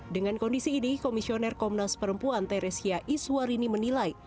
dengan kondisi ini komisioner komnas perempuan teresia iswarini menilai